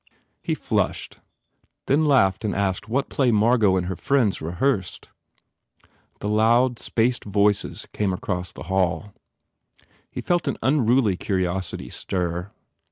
He flushed, then laughed and asked what play Margot and her friends rehearsed. The loud, spaced voices came across the hall. He felt an unruly curiosity stir.